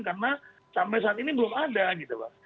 karena sampai saat ini belum ada